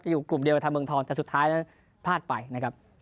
อยู่กลุ่มเดียวกับทางเมืองทองแต่สุดท้ายนั้นพลาดไปนะครับ